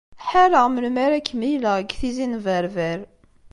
Ḥareɣ melmi ara k-mlileɣ deg Tizi n Berber.